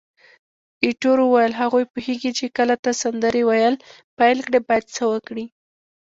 ایټور وویل: هغوی پوهیږي چې کله ته سندرې ویل پیل کړې باید څه وکړي.